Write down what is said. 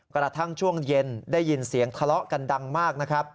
กระทั่งช่วงเย็นได้ยินเสียงทะเลาะกันดังมากนะครับ